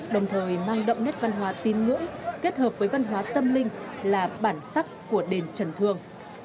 đồng thời mang đậm nét văn hóa tin ngưỡng kết hợp với văn hóa tâm linh là bản sắc của đền trần thương